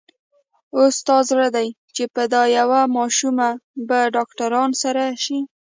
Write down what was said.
اوس ستا زړه دی چې په دا يوه ماشوم په ډاکټرانو سر شې.